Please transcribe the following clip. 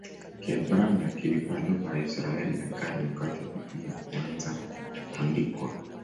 Kiebrania kilikuwa lugha ya Israeli ya Kale wakati wa Biblia kuanza kuandikwa.